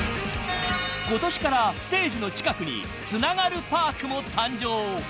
［今年からステージの近くにつながるパークも誕生］